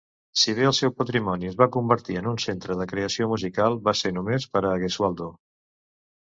Si bé el seu patrimoni es va convertir en un centre de creació musical, va ser només per a Gesualdo.